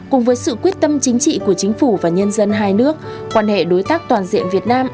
cùng với sự quyết tâm chính trị của chính phủ và nhân dân hai nước quan hệ đối tác toàn diện việt nam